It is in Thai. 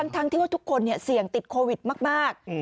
ทั้งที่ว่าทุกคนเสี่ยงติดโควิดมาก